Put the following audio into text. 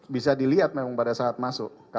bisa dilihat memang pada saat masuk